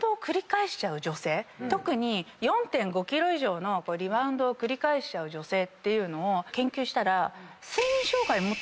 特に４．５ｋｇ以上のリバウンドを繰り返しちゃう女性っていうのを研究したら。